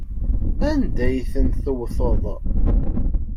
Anda ay ten-tewteḍ?